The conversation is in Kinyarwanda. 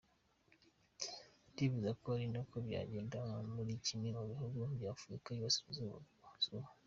Ndifuza ko ari nako byagenda muri bimwe mu bihugu by’ Afurika y’ iburasira zuba”.